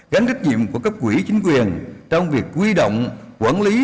gắn trách nhiệm của cấp quỹ chính quyền trong việc quy động quản lý